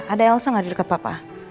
ada elsa ga di deket papa